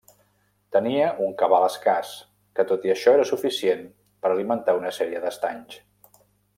Tenia un cabal escàs, que tot i això era suficient per alimentar una sèrie d'estanys.